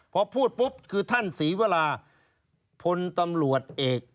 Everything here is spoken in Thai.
พอพูดปุ๊บคือท่านศรีวราพลตำรวจเอก